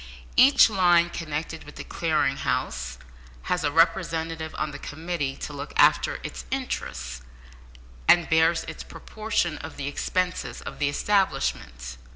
Each line connected with the Clearing House has a representative on the committee to look after its interests, and bears its proportion of the expenses of the establishment.